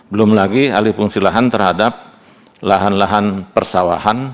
belum lagi alih fungsi lahan terhadap lahan lahan persawahan